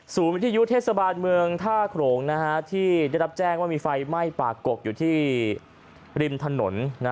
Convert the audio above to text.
วิทยุเทศบาลเมืองท่าโขลงที่ได้รับแจ้งว่ามีไฟไหม้ปากกกอยู่ที่ริมถนน